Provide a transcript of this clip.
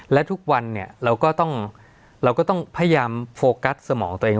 และทุกวันเนี่ยเราก็ต้องเราก็ต้องพยายามโฟกัสสมองตัวเอง